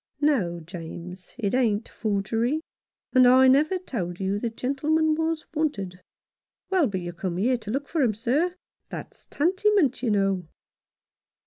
"No, James, it ain't forgery, and I never told you the gentleman was wanted." "Well, but you come here to look for him, sir. That's tantymint, you know."